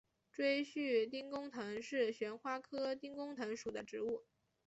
锥序丁公藤是旋花科丁公藤属的植物。